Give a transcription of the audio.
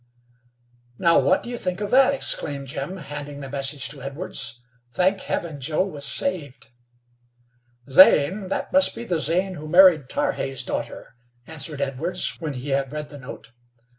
"Now, what do you think of that?" exclaimed Jim, handing the message to Edwards. "Thank Heaven, Joe was saved!" "Zane? That must be the Zane who married Tarhe's daughter," answered Edwards, when he had read the note.